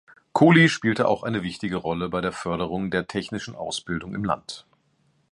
Kohli spielte auch eine wichtige Rolle bei der Förderung der technischen Ausbildung im Land.